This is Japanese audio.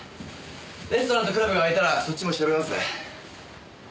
レストランとクラブが開いたらそっちも調べますね。